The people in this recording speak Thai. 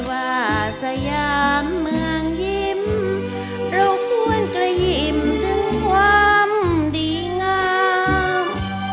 ว่าสยามเมืองยิ้มเราควรกระยิ้มถึงความดีงาม